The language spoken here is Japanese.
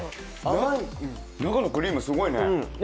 中のクリーム、すごいね。